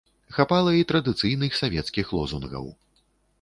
Хапала і традыцыйных савецкіх лозунгаў.